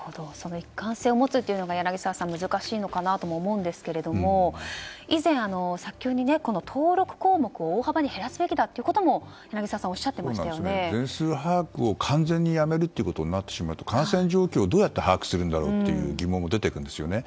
一貫性を持つというのが難しいのかなと思うんですけど以前、早急に登録項目を大幅に減らすべきだとも全数把握を完全にやめることになってしまうと感染状況をどうやって把握するんだろうという疑問も出てくるんですよね。